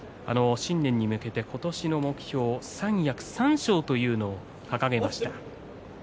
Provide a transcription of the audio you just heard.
新年に向けて今年の目標を三役三賞というのを掲げました。